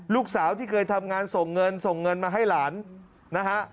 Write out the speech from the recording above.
ลูกสาวที่เคยทำงานส่งเงินส่งเงินมาให้หลานนะฮะ